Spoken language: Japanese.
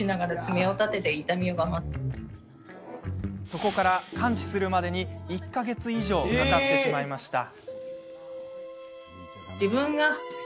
そこから、完治するまでに１か月以上かかってしまいました。